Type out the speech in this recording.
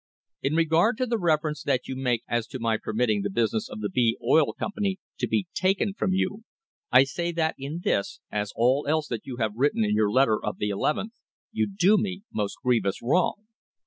In regard to the reference that you make as to my permitting the business of the B Oil Company to be taken from you, I say that in this, as all else that you have written in your letter of nth inst., you do me most grievous wrong.